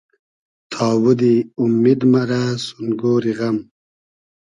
تابوتی اومید مئرۂ سون گۉری غئم